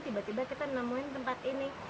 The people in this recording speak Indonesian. tiba tiba kita nemuin tempat ini